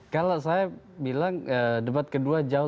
kalau saya bilang debat kedua jauh